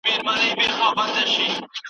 علمي شکاکیت د ړانده باور په پرتله ښه صفت دی.